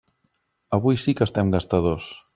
Avui sí que estem gastadors!